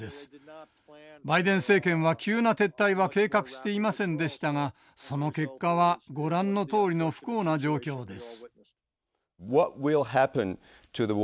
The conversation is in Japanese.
バイデン政権は急な撤退は計画していませんでしたがその結果はご覧のとおりの不幸な状況です。